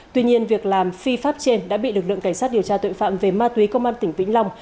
tuy nhiên việc làm phi pháp trên đã bị lực lượng cảnh sát điều tra tội phạm về ma túy công an tỉnh vĩnh long